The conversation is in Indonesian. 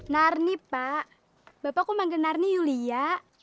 narni pak bapak kok panggil narni yulia